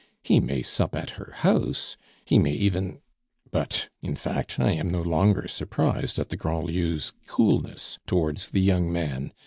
He may sup at her house, he may even But, in fact, I am no longer surprised at the Grandlieus' coolness towards the young man.